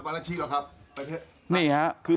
ไปกลางถนนยังไปฮึดอยู่